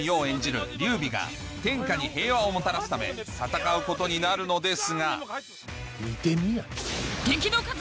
演じる劉備が天下に平和をもたらすため戦うことになるのですが見てみあれ。